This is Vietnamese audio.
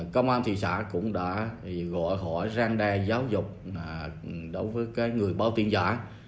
công an thị xã cũng đã gọi hỏi răng đe giáo dục đối với người báo tin giả